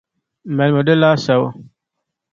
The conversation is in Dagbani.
Malimi di laasabu.